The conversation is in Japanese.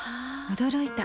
驚いた。